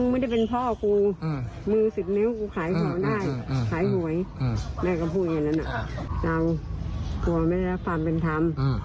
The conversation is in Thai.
แม่ก็พูดอย่างนั้นเรากลัวไม่ได้รับความเป็นธรรม